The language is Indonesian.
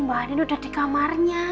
mbak nini udah di kamarnya